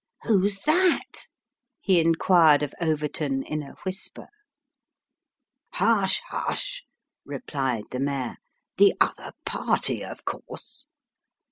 " Who's that? " he inquired of Overton, in a whisper. " Hush, hush," replied the mayor :" the other party of course."